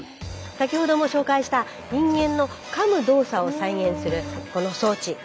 先ほども紹介した人間のかむ動作を再現するこの装置。